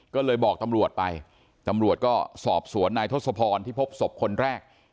ก็เลยบอกตำรวจไปตำรวจก็สอบสวนนายทศพรที่พบศพคนแรก